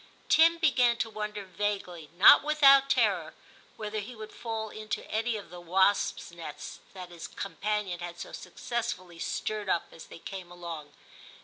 Tim began to wonder vaguely, not without terror, whether he would fall into any of the wasps' nests that his companion had so successfully stirred up as they came along.